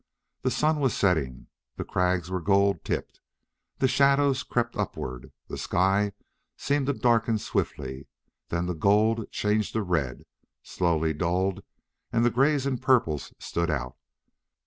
The sun was setting; the crags were gold tipped; the shadows crept upward; the sky seemed to darken swiftly; then the gold changed to red, slowly dulled, and the grays and purples stood out.